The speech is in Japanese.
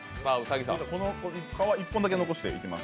皮１本だけ残していきます、